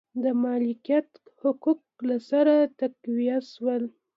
د مالکیت حقوق له سره تقویه شول.